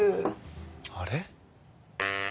あれ？